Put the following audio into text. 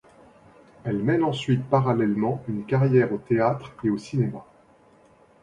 Elle mène ensuite parallèlement une carrière au théâtre et au cinéma.